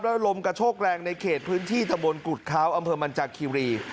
แล้วลมกระโชกแรงในเขตพื้นที่ตะบนกุฎค้าวอำเภอมันจากคิรี